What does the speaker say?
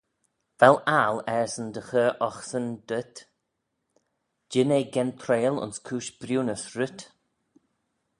Vel aggle ersyn dy chur oghsan dhyt? jean eh gentreil ayns cooish briwnys rhyt?